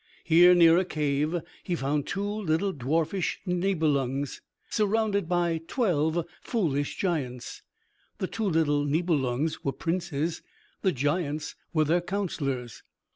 Here near a cave he found two little dwarfish Nibelungs, surrounded by twelve foolish giants. The two little Nibelungs were princes, the giants were their counselors.